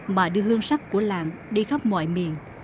mà đưa hương sắc của làng đi khắp mọi miền